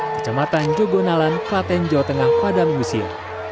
kecamatan jogonalan klaten jawa tengah padang busia